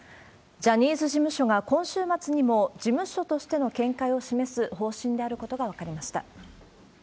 ジャニーズ事務所が今週末にも、事務所としての見解を示す方針であることが分かりました。